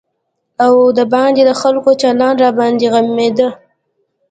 او د باندې د خلکو چلند راباندې غمېده.